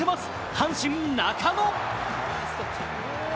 阪神・中野。